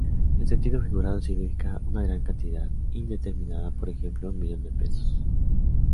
En sentido figurado significa una gran cantidad indeterminada, por ejemplo un millón de besos.